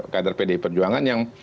kader pd perjuangan yang